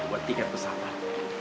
buat tiket pesawat